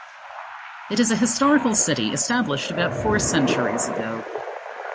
It is a historical city established about four centuries ago.